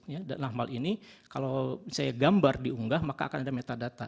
nah mal ini kalau saya gambar di unggah maka akan ada metadata